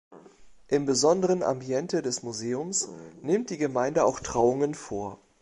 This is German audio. Im besonderen Ambiente des Museums nimmt die Gemeinde auch Trauungen vor.